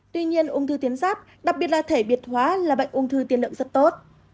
tuy nhiên ung thư tiến giáp đặc biệt là thể biệt hóa là bệnh ung thư tiên lượng rất tốt